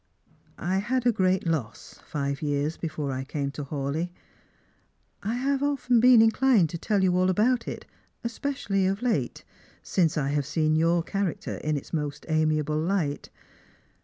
I had a great loss five years before I came to Hawleigh. I Jiava often been inclined to tell you all about it, especially of late, since I have seen your character in its most amiable light.